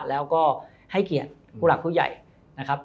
แล้วก็ให้เกียรติผู้หลักผู้ใหญ่นะครับ